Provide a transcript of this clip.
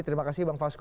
terima kasih bang fasko